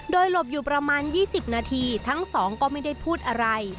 โดยหลบอยู่ประมาณ๒๐นาทีทั้งสองก็ไม่ได้พูดอะไร